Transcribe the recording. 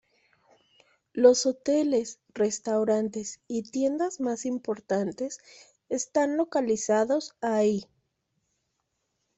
Los hoteles, restaurantes y tiendas más importantes están localizados ahí.